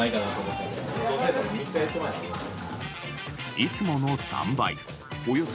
いつもの３倍およそ